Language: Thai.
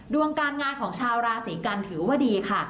ดวงการงานของชาวราศีกันถือว่าดีค่ะ